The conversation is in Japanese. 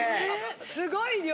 すごい量！